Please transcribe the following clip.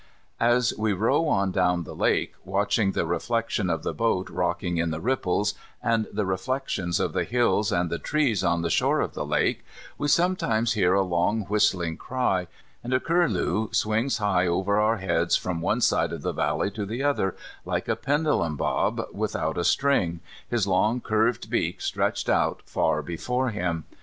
As we row on down the lake, watching the reflection of the boat rocking in the ripples, and the reflections of the hills and the trees on the shore of the lake we sometimes hear a long whistling cry, and a curlew swings high over our heads from one side of the valley to the other, like a pendulum bob without a string, his long curved beak stretched out far before him.